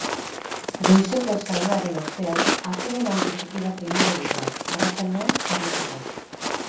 Goizeko saioaren ostean, atsedenaldi txiki bat egingo dute, arratsaldean jarraitzeko.